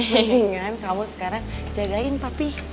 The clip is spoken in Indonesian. mendingan kamu sekarang jagain papi